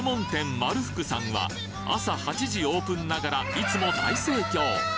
マルフクさんは朝８時オープンながらいつも大盛況